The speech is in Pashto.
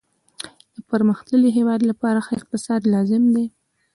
د پرمختللي هیواد لپاره ښه اقتصاد لازم دی